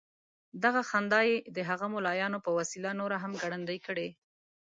دغه خندا یې د هغو ملايانو په وسيله نوره هم ګړندۍ کړې.